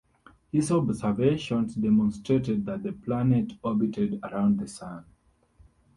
His observations demonstrated that the planet orbited around the Sun.